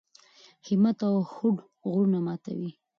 همت او هوډ غرونه ماتوي.